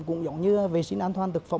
cũng giống như vệ sinh an toàn thực phẩm